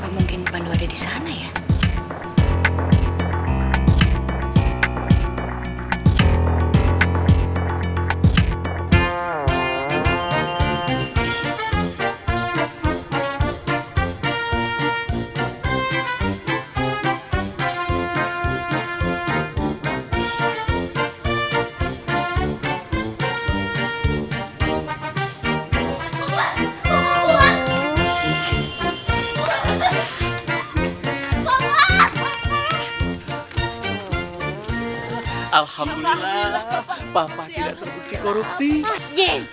memang papa tidak korupsi kan